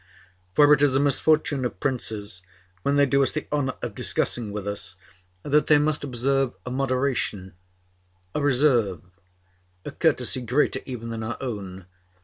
For it is a misfortune of princes, when they do us the honor of discussing with us, that they must observe a moderation, a reserve, a courtesy greater even than our own.